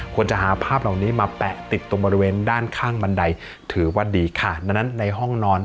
ควรจะหาภาพเหล่านี้มาแปะติดตรงบริเวณด้านข้างบันไดถือว่าดีค่ะดังนั้นในห้องนอน